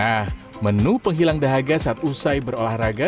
nah menu penghilang dahaga saat usai berolahraga